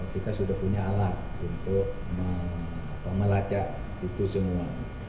kita sudah punya alat untuk melacak itu semua